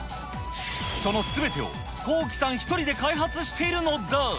そのすべてを綱紀さん１人で開発してのだ。